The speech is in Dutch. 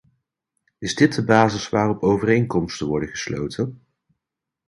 Is dit de basis waarop overeenkomsten worden gesloten?